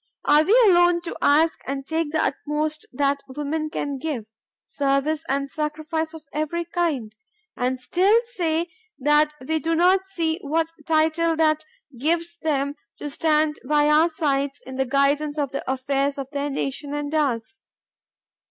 Are we alone to ask and take the utmost that women can give,—service and sacrifice of every kind,—and still say that we do not see what title that gives them to stand by our sides in the guidance of the affairs of their nation and ours?